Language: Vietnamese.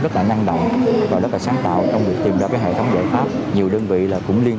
rất là năng động và rất là sáng tạo trong việc tìm ra cái hệ thống giải pháp nhiều đơn vị là cũng liên